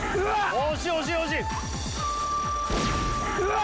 惜しい惜しい惜しいうわっ！